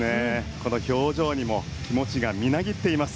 表情にも気持ちがみなぎっています。